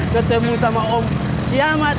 ketemu sama om kiamat